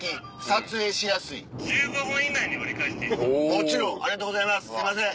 もちろんありがとうございますすいません。